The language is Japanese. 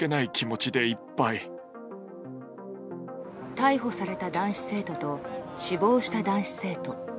逮捕された男子生徒と死亡した男子生徒。